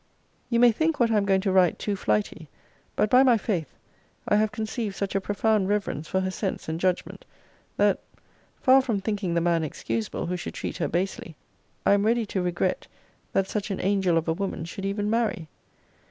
You may think what I am going to write too flighty: but, by my faith, I have conceived such a profound reverence for her sense and judgment, that, far from thinking the man excusable who should treat her basely, I am ready to regret that such an angel of a woman should even marry.